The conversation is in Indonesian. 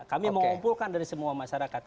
kami mengumpulkan dari semua masyarakat